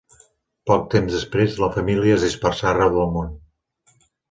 Poc temps després, la família es dispersà arreu del món.